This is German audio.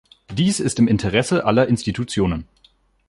Dies ist im Interesse aller Institutionen.